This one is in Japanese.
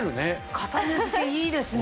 重ね着けいいですね